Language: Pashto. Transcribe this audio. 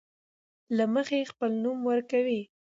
له مخې خپل نوم ورکوي.